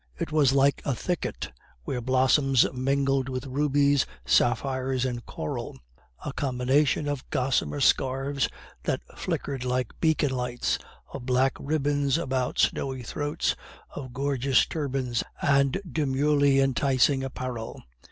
It was like a thicket, where blossoms mingled with rubies, sapphires, and coral; a combination of gossamer scarves that flickered like beacon lights; of black ribbons about snowy throats; of gorgeous turbans and demurely enticing apparel.